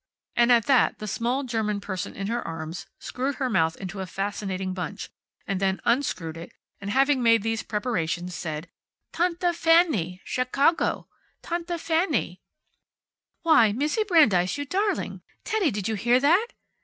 And at that the small German person in her arms screwed her mouth into a fascinating bunch, and then unscrewed it and, having made these preparations said, "Tante Fanny. Shecago. Tante Fanny." "Why, Mizzi Brandeis, you darling! Teddy, did you hear that!